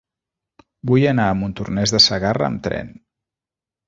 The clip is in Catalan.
Vull anar a Montornès de Segarra amb tren.